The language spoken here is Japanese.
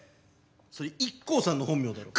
それＩＫＫＯさんの本名だろ！